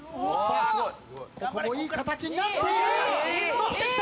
ここもいい形になっている！